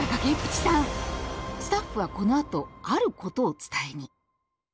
スタッフはこのあとあることを伝えに。